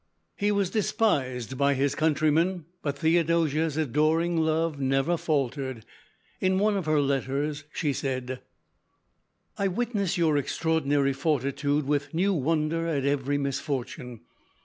He was despised by his countrymen, but Theodosia's adoring love never faltered. In one of her letters she said: "I witness your extraordinary fortitude with new wonder at every misfortune.